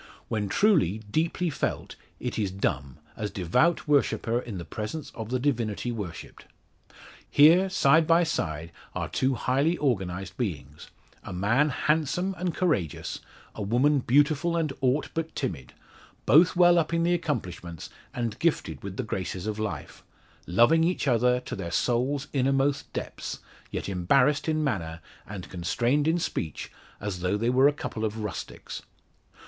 When truly, deeply, felt it is dumb, as devout worshipper in the presence of the divinity worshipped. Here, side by side, are two highly organised beings a man handsome and courageous, a woman beautiful and aught but timid both well up in the accomplishments, and gifted with the graces of life loving each other to their souls' innermost depths, yet embarrassed in manner, and constrained in speech, as though they were a couple of rustics!